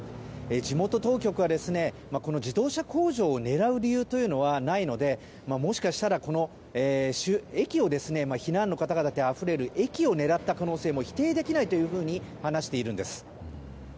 地元当局は、この自動車工場を狙う理由はないのでもしかしたら避難の方々であふれる駅を狙った可能性も否定できないと話しています。